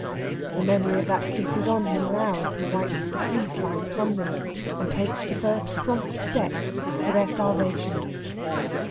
The memory of that kiss is on him now as he wipes the sea slime from them and takes the first prompt steps for their salvation.